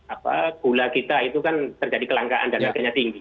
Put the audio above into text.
apa gula kita itu kan terjadi kelangkaan dan harganya tinggi